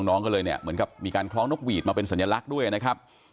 น้องก็เลยเนี่ยเหมือนกับมีการคล้องนกหวีดมาเป็นสัญลักษณ์ด้วยนะครับ